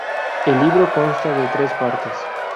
El libro consta de tres partes.